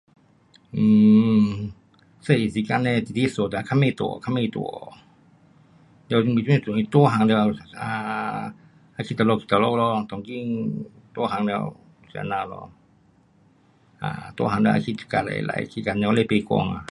um 小的时间嘞直直想得快点大，快点大，了这阵你大汉了，要去哪里去哪里咯，当今大汉了，就是这样咯。啊，大汉了去到隔里来，去给没去买官啊。